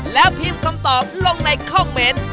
แล้วพิมพ์คำตอบลงในคอมเมนต์